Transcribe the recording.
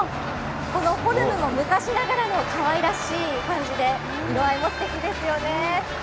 このフォルムも昔ながらのかわいらしい感じで色合いもすてきですよね。